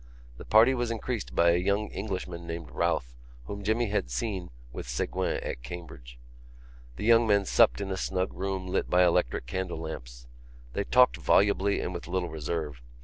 The party was increased by a young Englishman named Routh whom Jimmy had seen with Ségouin at Cambridge. The young men supped in a snug room lit by electric candle lamps. They talked volubly and with little reserve.